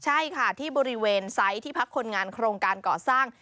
ใช่ค่ะที่บริเวณไซส์ที่พักคนงานโครงการก่อสร้าง